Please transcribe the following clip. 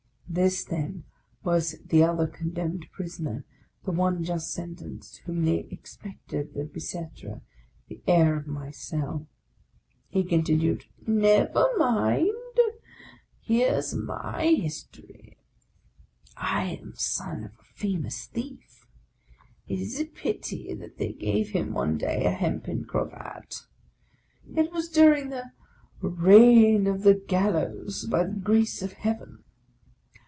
This, then, was the other condemned prisoner, the one just sen tenced, whom they expected at the Bicetre; the heir of my cell. He continued :" Never mind ! Here's my history. I am sen of a famous thief; it is a pity that they gave him one day a hempen cravat ; it was during the ' reign of the Gal lows by the grace of Heaven.'